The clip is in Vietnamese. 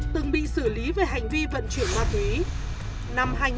từng bị xử lý về hành vi vận chuyển ma túy